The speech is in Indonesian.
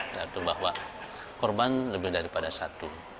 satu bahwa korban lebih daripada satu